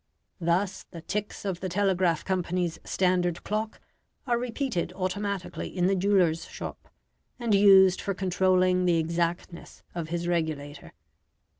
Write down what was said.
Thus the ticks of the telegraph company's standard clock are repeated automatically in the jeweller's shop, and used for controlling the exactness of his regulator.